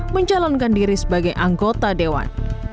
mencalonkan diri sebagai anggota dewan